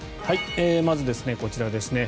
まず、こちらですね。